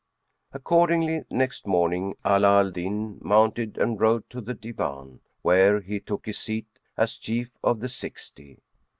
Accordingly, next morning, Ala Al Din, mounted and rode to the Divan, where he took his seat as Chief of the Sixty.